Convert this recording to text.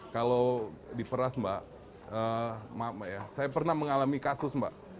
kalau diperas mbak maaf saya pernah mengalami kasus mbak